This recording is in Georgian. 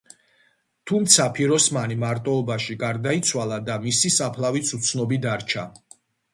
თუმცა ფიროსმანი მარტოობაში გარდაიცვალა და მისი საფლავიც უცნობი დარჩა.